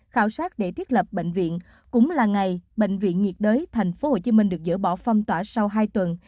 khảo sát để thiết lập bệnh viện cũng là ngày bệnh viện nhiệt đới thành phố hồ chí minh được dỡ bỏ phong tỏa sau hai tuần